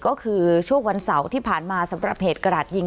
ก็คือช่วงวันเสาร์ที่ผ่านมาสำหรับเหตุกระดาษยิง